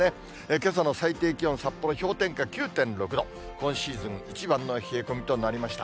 けさの最低気温、札幌氷点下９度、今シーズン一番の冷え込みとなりました。